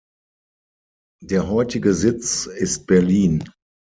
Der heutige Sitz ist Berlin.